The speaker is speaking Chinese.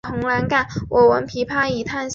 正十八边形不能仅用尺规作出。